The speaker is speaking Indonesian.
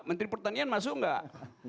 menteri pertanian masuk nggak